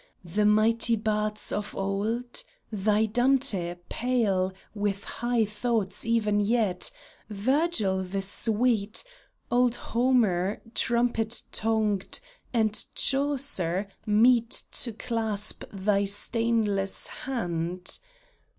The mighty bards of old ?— Thy Dante, pale With high thoughts even yet, Virgil the sweet, Old Homer, trumpet tongued, and Chaucer, meet To clasp thy stainless hand